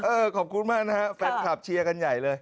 ขอบคุณมากนะฮะแฟนคลับเชียร์กันใหญ่เลย